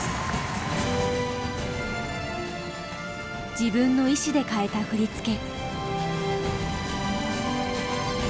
自分の意志で変えた振り付け。